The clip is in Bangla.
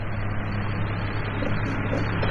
ক্লেম, হাহ?